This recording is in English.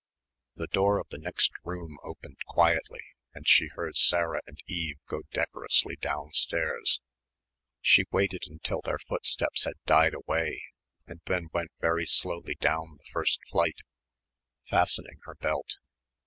The door of the next room opened quietly and she heard Sarah and Eve go decorously downstairs. She waited until their footsteps had died away and then went very slowly down the first flight, fastening her belt.